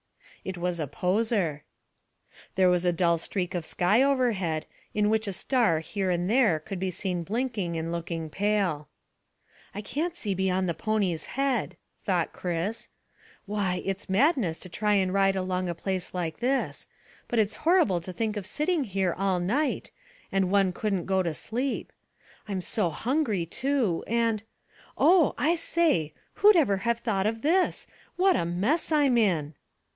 It was a poser. There was a dull streak of sky overhead, in which a star here and there could be seen blinking and looking pale. "I can't see beyond the pony's head," thought Chris. "Why, it's madness to try and ride along a place like this; but it's horrible to think of sitting here all night, and one couldn't go to sleep. I'm so hungry too, and Oh, I say, who'd ever have thought of this? What a mess I'm in!"